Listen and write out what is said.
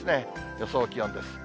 予想気温です。